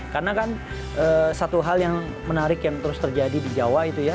karena kan satu hal yang menarik yang terus terjadi di jawa itu ya